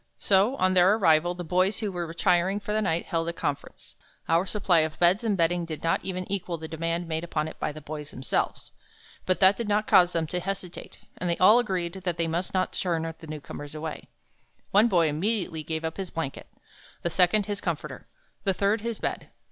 So, on their arrival, the boys who were retiring for the night, held a conference. Our supply of beds and bedding did not even equal the demand made upon it by the boys themselves. But that did not cause them to hesitate, and all agreed that they must not turn the newcomers away. One boy immediately gave up his blanket, the second his comforter, the third his bed.